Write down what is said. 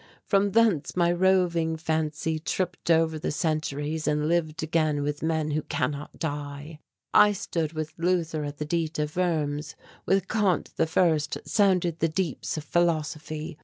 From thence my roving fancy tripped over the centuries and lived again with men who cannot die. I stood with Luther at the Diet of Worms. With Kant I sounded the deeps of philosophy.